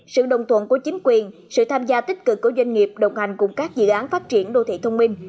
sự đồng thuận của chính quyền sự tham gia tích cực của doanh nghiệp đồng hành cùng các dự án phát triển đô thị thông minh